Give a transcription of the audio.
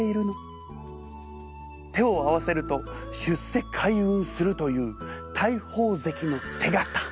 手を合わせると出世開運するという大鵬関の手形。